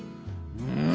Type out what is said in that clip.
うん？